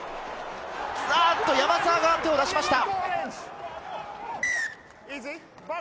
山沢が手を出しました。